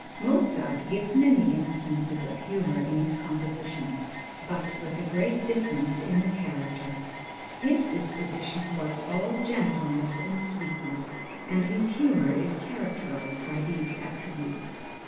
Mozart gives many instances of humor in his compositions, but with a great difference in the character. His disposition was all gentleness and sweetness, and his humor is characterized by these attributes.